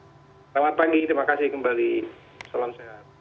selamat pagi terima kasih kembali salam sehat